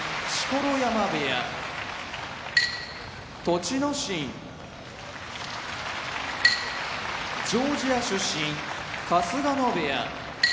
錣山部屋栃ノ心ジョージア出身春日野部屋